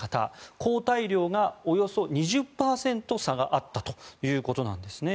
抗体量がおよそ２０％差があったということなんですね。